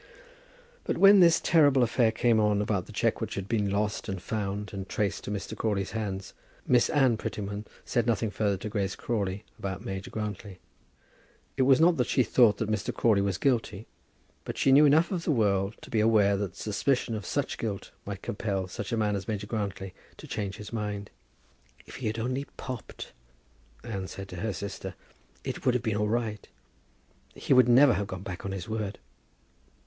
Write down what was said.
But when this terrible affair came on about the cheque which had been lost and found and traced to Mr. Crawley's hands, Miss Anne Prettyman said nothing further to Grace Crawley about Major Grantly. It was not that she thought that Mr. Crawley was guilty, but she knew enough of the world to be aware that suspicion of such guilt might compel such a man as Major Grantly to change his mind. "If he had only popped," Anne said to her sister, "it would have been all right. He would never have gone back from his word."